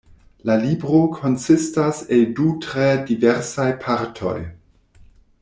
La libro konsistas el du tre diversaj partoj.